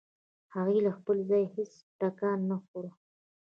هغې له خپل ځايه هېڅ ټکان نه خوړ.